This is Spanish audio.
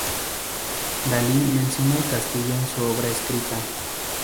Dalí menciona el Castillo en su obra escrita.